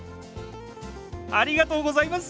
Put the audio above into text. ありがとうございます！